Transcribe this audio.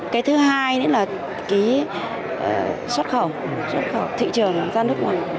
cái thứ hai nữa là cái xuất khẩu thị trường ra nước ngoài